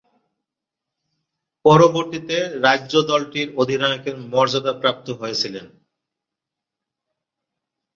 পরবর্তীতে রাজ্য দলটির অধিনায়কের মর্যাদাপ্রাপ্ত হয়েছিলেন।